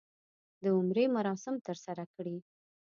د عمرې مراسم ترسره کړي.